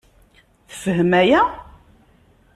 Yefhem aya?